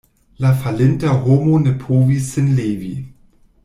La falinta homo ne povis sin levi.